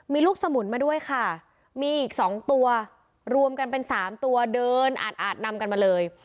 มีลูกสมุนมาด้วยค่ะมีอีก๒ตัวรวมกันเป็น๓ตัวเดินอาดนำกันมาเลย